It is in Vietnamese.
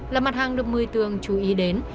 là mặt hàng được một mươi tường chú ý đến